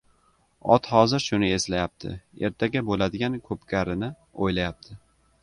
— Ot hozir shuni eslayapti, ertaga bo‘ladigan ko‘pkarini o‘ylayapti.